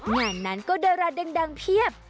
งานนั้นก็ดาราดังเพียบ